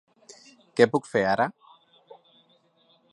què puc fer ara?